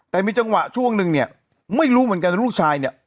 แต่มีจังหวะช่วงนึงเนี่ยไม่รู้เหมือนกันว่าลูกชายเนี่ย